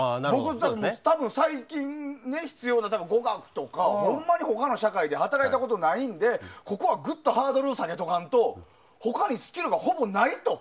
多分最近、必要な語学とかほんまに、他の社会で働いたことないんでここはぐっとハードルを下げとかんと他にスキルがほぼないと。